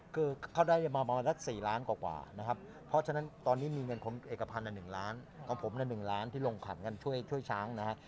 คือเขาได้มาประมาณสัก๔ล้านกว่านะครับเพราะฉะนั้นตอนนี้มีเงินของเอกพันธ์๑ล้านของผม๑ล้านที่ลงขันกันช่วยช้างนะฮะ